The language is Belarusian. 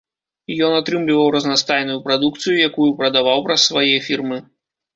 Ён атрымліваў разнастайную прадукцыю, якую прадаваў праз свае фірмы.